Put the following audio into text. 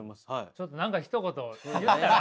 ちょっと何かひと言言ったら？